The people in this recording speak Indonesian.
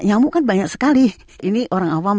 nyamuk kan banyak sekali ini orang awam